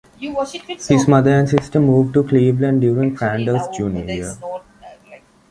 His mother and sister moved to Cleveland during Crandall's junior year.